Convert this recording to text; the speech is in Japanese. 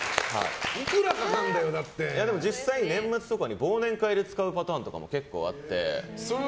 実際、年末とかに忘年会で使うパターンとかも結構あって。